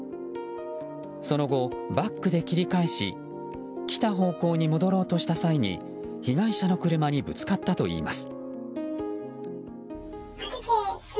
その後、バックで切り返し来た方向に戻ろうとした際に被害者の車にぶつかったといいます。